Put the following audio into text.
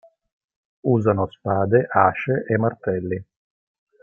Usano spade, asce e martelli.